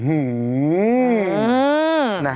อื้อหือ